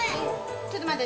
ちょっと待って。